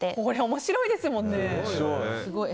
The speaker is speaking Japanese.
面白いですもんね。